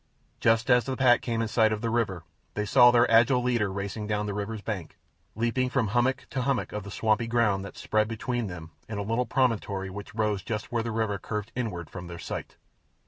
Just as the pack came in sight of the river they saw their agile leader racing down the river's bank, leaping from hummock to hummock of the swampy ground that spread between them and a little promontory which rose just where the river curved inward from their sight.